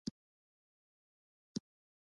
د چای خوشبويي زړونه راجلبوي